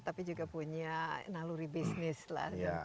tapi juga punya naluri bisnis lah